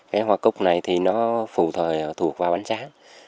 cái hoa cúc này thì nó phụ thời thuộc vào bánh sáng